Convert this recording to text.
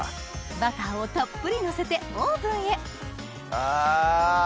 バターをたっぷりのせてオーブンへあ！